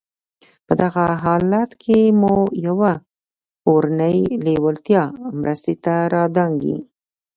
په دغه حالت کې مو يوه اورنۍ لېوالتیا مرستې ته را دانګي.